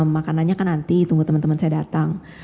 makanannya kan nanti tunggu teman teman saya datang